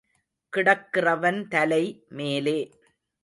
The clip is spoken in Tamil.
கிடக்கிறவன் தலை மேலே.